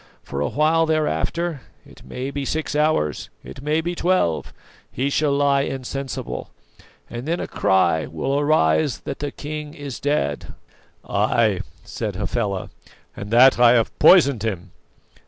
For a while thereafter it may be six hours, it may be twelve he shall lie insensible, and then a cry will arise that the king is dead!" "Ay," said Hafela, "and that I have poisoned him!"